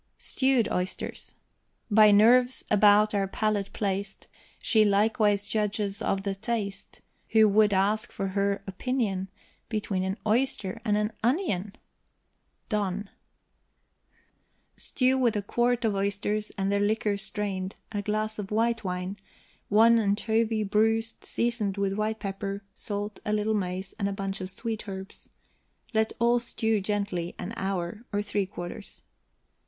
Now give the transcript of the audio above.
STEWED OYSTERS. By nerves about our palate placed, She likewise judges of the taste. Who would ask for her opinion Between an oyster and an onion? DONNE. Stew with a quart of oysters, and their liquor strained, a glass of white wine, one anchovy bruised, seasoned with white pepper, salt, a little mace, and a bunch of sweet herbs; let all stew gently an hour, or three quarters.